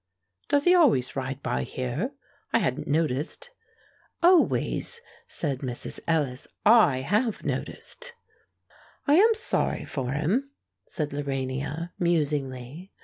"Does he always ride by here? I hadn't noticed." "Always!" said Mrs. Ellis. "I have noticed." "I am sorry for him," said Lorania, musingly.